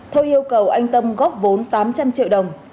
thôi yêu cầu anh tâm góp vốn tám trăm linh triệu đồng